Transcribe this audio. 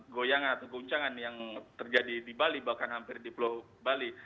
goyangan atau guncangan yang terjadi di bali bahkan hampir di pulau bali